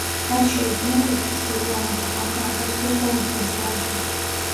მათ შეეძინათ ექვსი შვილი, რომელთაგან კარლოსი იყო უმცროსი ვაჟი.